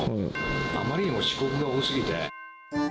あまりにも遅刻が多すぎて。